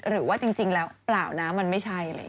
หรือว่าจริงแล้วเปล่านะมันไม่ใช่